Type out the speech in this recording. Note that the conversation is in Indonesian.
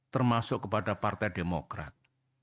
termasuk kepada partai demokrat